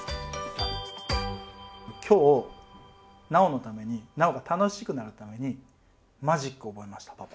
今日尚のために尚が楽しくなるためにマジックを覚えましたパパ。